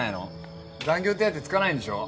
残業手当つかないんでしょ？